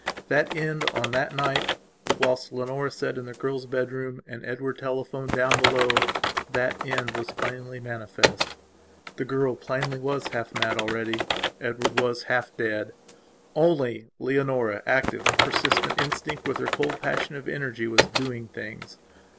That end, on that night, whilst Leonora sat in the girl's bedroom and Edward telephoned down belowthat end was plainly manifest. The girl, plainly, was half mad already; Edward was half dead; only Leonora, active, persistent, instinct with her cold passion of energy, was "doing things".